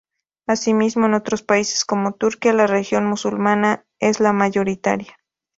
Asimismo, en otros países como Turquía, la religión musulmana es la mayoritaria.